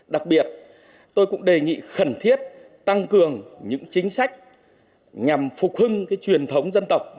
đặc biệt tôi cũng đề nghị khẩn thiết tăng cường những chính sách nhằm phục hưng truyền thống dân tộc